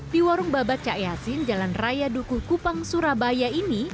di warung babat cak yasin jalan raya duku kupang surabaya ini